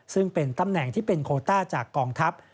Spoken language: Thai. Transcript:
ซึ่งเป็นตำแหน่งที่เป็นโคต้าจากกองทัพ